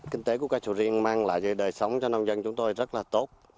kinh tế của cây sầu riêng mang lại đời sống cho nông dân chúng tôi rất là tốt